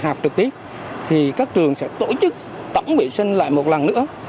học trực tiếp thì các trường sẽ tổ chức tổng vệ sinh lại một lần nữa